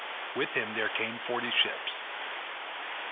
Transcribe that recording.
With him there came forty ships.